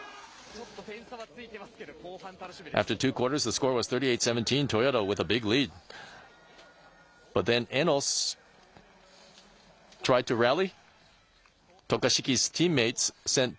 ちょっと点差はついてますけど後半楽しみです。